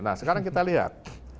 nah sekarang kita lihat